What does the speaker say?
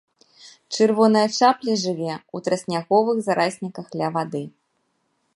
Чырвоная чапля жыве ў трысняговых зарасніках ля вады.